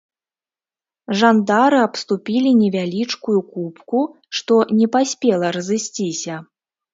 Жандары абступілі невялічкую купку, што не паспела разысціся.